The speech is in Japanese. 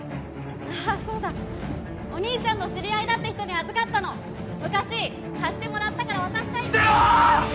ああそうだお兄ちゃんの知り合いだって人に預かったの昔貸してもらったから渡したい捨てろー！